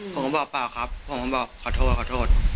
ผมก็บอกเปล่าครับผมก็บอกขอโทษขอโทษ